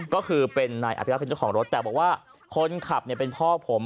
ก็คืออาธิรักษ์เป็นเจ้าของรถแต่บอกว่าคนขับเนี่ยเป็นพ่อผม